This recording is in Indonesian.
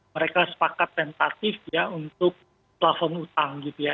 mereka sepakat tentatif ya untuk platform utang gitu ya